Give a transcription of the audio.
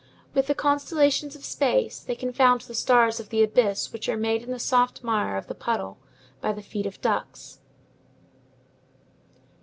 With the constellations of space they confound the stars of the abyss which are made in the soft mire of the puddle by the feet of ducks.